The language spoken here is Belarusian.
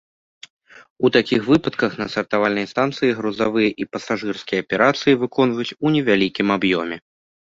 У такіх выпадках на сартавальнай станцыі грузавыя і пасажырскія аперацыі выконваюць у невялікім аб'ёме.